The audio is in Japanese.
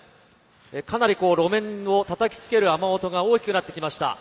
かなり路面を叩きつける雨音が大きくなってきました。